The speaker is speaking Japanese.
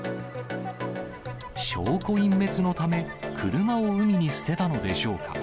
証拠隠滅のため、車を海に捨てたのでしょうか。